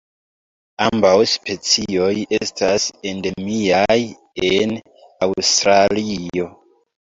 Ambaŭ specioj estas endemiaj en Aŭstralio.